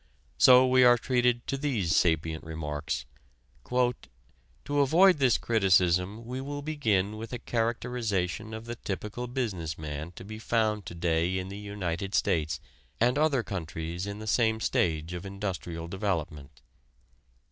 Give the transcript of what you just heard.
So we are treated to these sapient remarks: "To avoid this criticism we will begin with a characterization of the typical business man to be found to day in the United States and other countries in the same stage of industrial development.